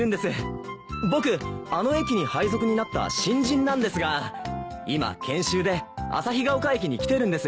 僕あの駅に配属になった新人なんですが今研修であさひが丘駅に来てるんです。